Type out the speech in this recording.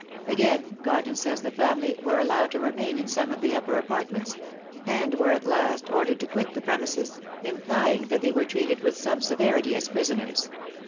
Again Garden says the family "were allowed to remain in some of the upper apartments;" and were at last "ordered to quit the premises, implying that they were treated with some severity as prisoners.